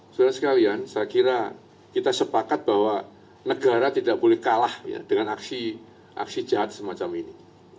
saudara sekalian saya kira kita sepakat bahwa negara tidak boleh kalah dengan aksi jahat semacam ini